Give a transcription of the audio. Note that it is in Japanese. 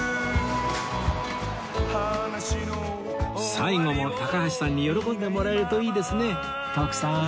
最後も高橋さんに喜んでもらえるといいですね徳さん